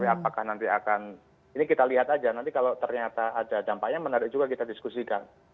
apakah nanti akan ini kita lihat aja nanti kalau ternyata ada dampaknya menarik juga kita diskusikan